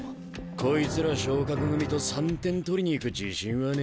こいつら昇格組と３点取りに行く自信はねえなあ。